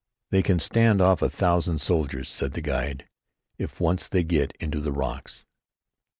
"They can stand off a thousand soldiers," said the guide, "if once they get into the rocks.